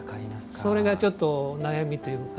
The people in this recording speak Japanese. それがちょっと悩みというか。